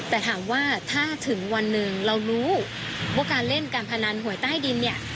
แต่ถามว่าถ้าถึงวันหนึ่งเรารู้ว่าการเล่นการพนันหวยใต้ดินเนี่ย